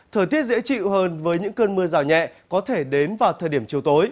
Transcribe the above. thời tiết dễ chịu hơn với những cơn mưa rào nhẹ có thể đến vào thời điểm